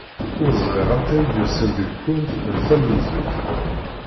Ur ẓriɣ anta i d-yusan deg-kunt d tamenzut.